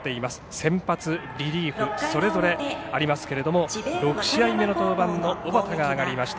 先発、リリーフそれぞれありますけれども６試合目の登板の小畠が上がりました。